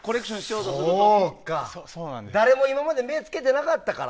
そうか、誰も今まで目をつけてなかったから。